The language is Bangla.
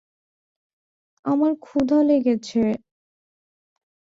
আমার ক্ষুধা লেগেছে।